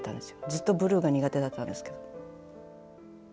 ずっとブルーが苦手だったんですけど。